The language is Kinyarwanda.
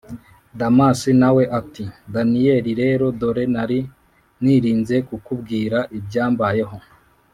damas nawe ati: daniel rero, dore nari nirinze kukubwira ibyambayeho,